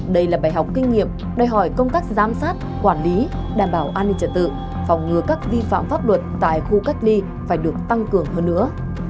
đây là bài học kinh nghiệm đòi hỏi công tác giám sát quản lý đảm bảo an ninh trật tự phòng ngừa các vi phạm pháp luật tại khu cách ly phải được tăng cường hơn nữa